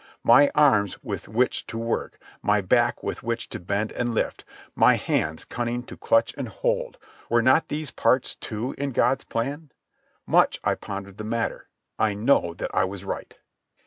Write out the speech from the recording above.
My arms with which to work, my back with which to bend and lift, my hands cunning to clutch and hold—were not these parts too in God's plan? Much I pondered the matter. I know that I was right.